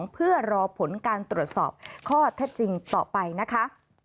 เพื่อรอผลการตรวจสอบข้อเท็จจริงต่อไปนะคะ